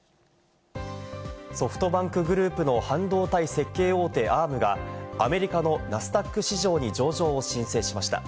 ソフトバンクグループの半導体設計大手・アームが、アメリカのナスダック市場に上場を申請しました。